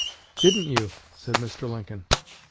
"Didn't you?" said Mr. Lincoln.